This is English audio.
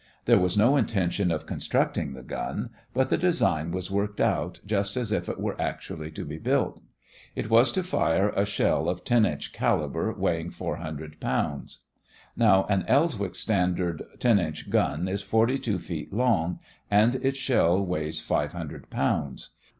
There was no intention of constructing the gun, but the design was worked out just as if it were actually to be built. It was to fire a shell of 10 inch caliber, weighing 400 pounds. Now, an Elswick standard 10 inch gun is 42 feet long and its shell weighs 500 pounds.